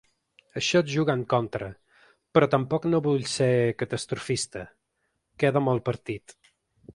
Això et juga en contra, però tampoc no vull ser catastrofista, queda molt partit.